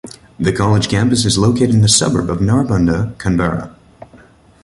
The college campus is located in the suburb of Narrabundah, Canberra.